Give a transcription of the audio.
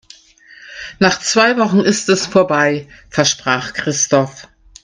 "Nach zwei Wochen ist es vorbei", versprach Christoph.